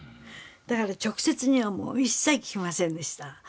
だから直接には一切聞きませんでした。